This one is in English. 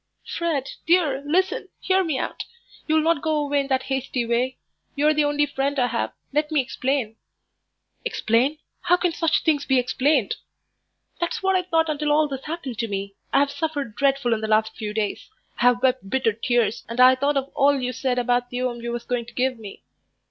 "Fred, dear, listen, hear me out. You'll not go away in that hasty way. You're the only friend I have. Let me explain." "Explain! how can such things be explained?" "That's what I thought until all this happened to me. I have suffered dreadful in the last few days. I've wept bitter tears, and I thought of all you said about the 'ome you was going to give me."